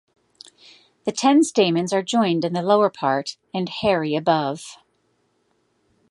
The ten stamens are joined in the lower part and hairy above.